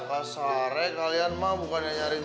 apakah kamu semua bukan yang mencari neng